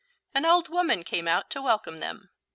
An old woman came out to welcome them.